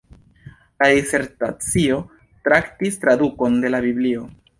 La disertacio traktis tradukon de la biblio.